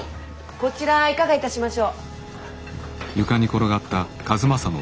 こちらはいかがいたしましょう？